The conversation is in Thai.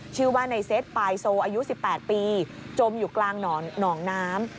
ชื่อว่าในเซตปายโซอายุ๑๘ปีจมอยู่กลางหนองน้ำ